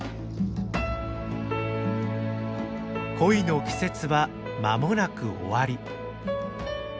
恋の季節は間もなく終わり。